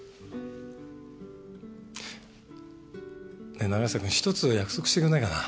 ねえ永久くん１つ約束してくれないかな？